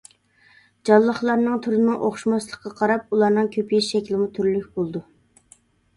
جانلىقلارنىڭ تۈرىنىڭ ئوخشىماسلىقىغا قاراپ ئۇلارنىڭ كۆپىيىش شەكلىمۇ تۈرلۈك بولىدۇ.